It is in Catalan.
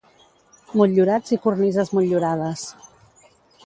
Motllurats i cornises motllurades.